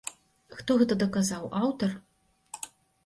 Хто гэта даказаў, аўтар?